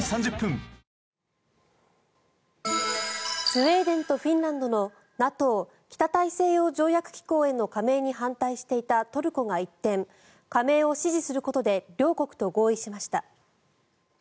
スウェーデンとフィンランドのＮＡＴＯ・北大西洋条約機構への加盟に反対していたトルコが一転加盟を支持することで両国と合意しました。